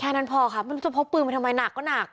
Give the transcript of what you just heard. แค่นั้นพอครับมันจะพบปืนไปทำไมหนักก็หนัก